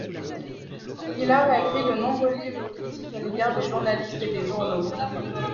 Villard a écrit de nombreux livres critiques à l'égard des journalistes et des journaux.